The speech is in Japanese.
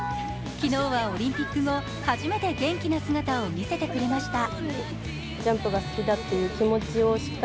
昨日は、オリンピック後初めて元気な姿を見せてくれました。